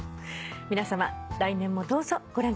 皆さま来年もどうぞご覧ください。